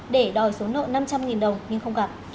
để đòi số nợ năm trăm linh đồng nhưng không gặp